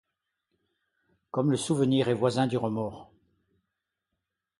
Comme le souvenir est voisin du remord !